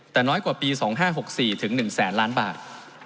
แต่น้อยกว่าปี๒๕๖๔ถึง๑แสนล้านบาท